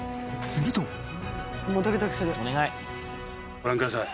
ご覧ください。